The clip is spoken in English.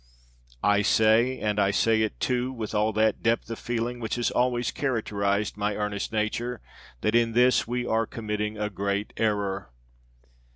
I say, and I say it, too, with all that depth of feeling which has always characterized my earnest nature, that in this we are committing a great error.